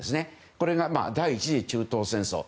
これが第１次中東戦争。